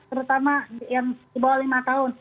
terutama yang di bawah lima tahun